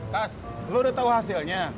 kas lu udah tau hasilnya